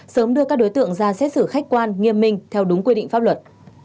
sớm đưa các đối tượng ra xét xử khách quan nghiêm minh theo đúng quy định pháp luật